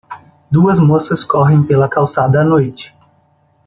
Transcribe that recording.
Duas moças correm pela calçada à noite.